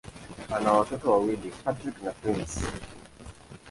Ana watoto wawili: Patrick na Prince.